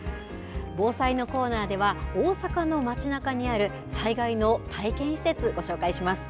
防災のコーナーでは、大阪の街なかにある災害の体験施設、ご紹介します。